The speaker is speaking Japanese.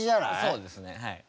そうですねはい。